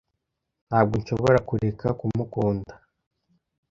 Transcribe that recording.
Ntabwo nshobora kureka kumukunda.